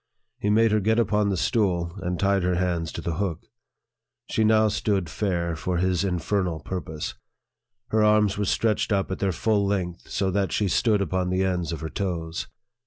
He made her get upon the stool, and tied her hands to the hook. She now stood fair for his infernal purpose. Her arms were stretched up at their full length, so that she stood upon the ends of her toes.